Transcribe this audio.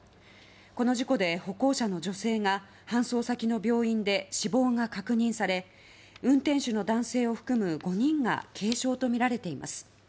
この事故で、歩行者の女性が搬送先の病院で死亡が確認され運転手の男性を含む５人が軽傷とみられています。